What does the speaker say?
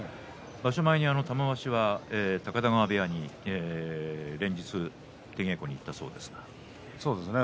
場所前に玉鷲は高田川部屋に行って連日、出稽古に行ったそうですが。